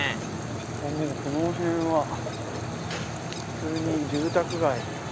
もうこの辺は普通に住宅街。